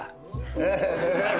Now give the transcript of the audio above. アハハハ。